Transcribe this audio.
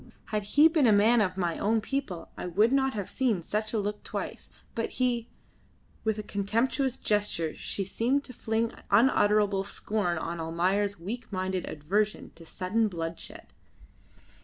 Had he been a man of my own people I would not have seen such a look twice; but he " With a contemptuous gesture she seemed to fling unutterable scorn on Almayer's weak minded aversion to sudden bloodshed.